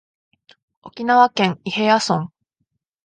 沖縄県伊平屋村